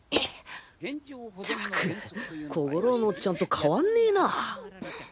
ったく小五郎のおっちゃんと変わんねぇな